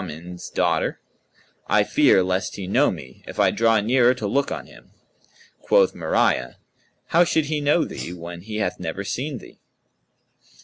Quoth Al Nu'uman's daughter, "I fear lest he know me, if I draw nearer to look on him." Quoth Mariyah, "How should he know thee when he hath never seen thee?"